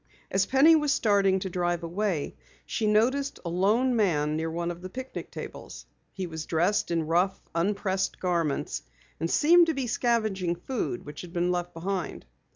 As Penny was starting to drive away, she noticed a lone man near one of the picnic tables. He was dressed in rough, unpressed garments, and seemed to be scavenging food which had been left behind.